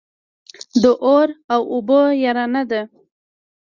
د اور او اوبو يارانه ده.